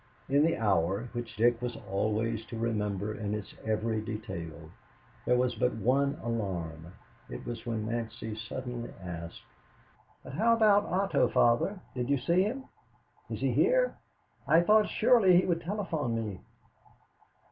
In the hour, which Dick was always to remember in its every detail, there was but one alarm. It was when Nancy suddenly asked: "But how about Otto, Father. Did you see him? Isn't he here? I thought surely he would telephone me."